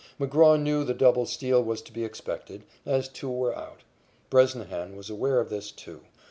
McGraw knew the double steal was to be expected, as two were out. Bresnahan was aware of this, too.